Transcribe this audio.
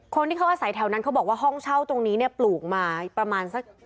คนที่เขาอาศัยแถวนั้นเขาบอกว่าห้องเช่าตรงนี้เนี่ยปลูกมาประมาณสัก